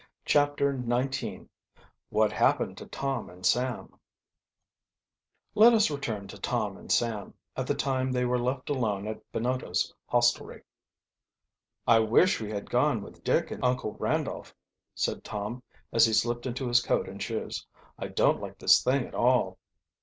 CHAPTER XIX WHAT HAPPENED TO TOM AND SAM Let us return to Tom and Sam, at the time they were left alone at Binoto's hostelry. "I wish we had gone with Dick and Uncle Randolph," said Tom, as he slipped into his coat and shoes. "I don't like this thing at all."